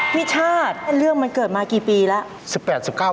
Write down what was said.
พี่ชาติเรื่องมันเกิดมากี่ปีแล้ว